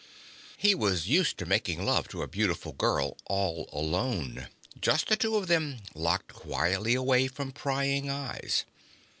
He was used to making love to a beautiful girl all alone, just the two of them locked quietly away from prying eyes.